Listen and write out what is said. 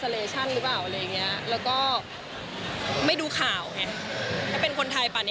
แล้วก็ไม่ดูข่าวไงถ้าเป็นคนไทยป่ะเนี่ย